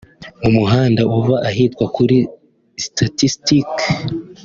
mu muhanda uva ahitwa kuri ‘statistique’